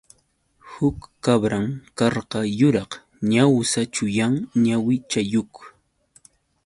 Huk kabran karqa yuraq ñawsa chullan ñawichayuq.